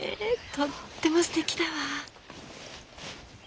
とってもすてきだわ。